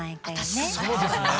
ああそうですね。